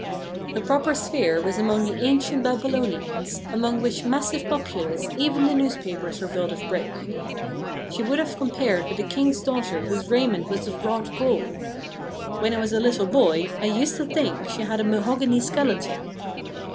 Her proper sphere was among the ancient Babylonians, among which massive populace even the newspapers were built of brick. She would have compared with the King's daughter whose raiment was of wrought gold. When I was a little boy I used to think she had a mahogany skeleton.